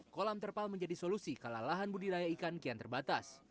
kolam terpal menjadi solusi kalalahan budidaya ikan kian terbatas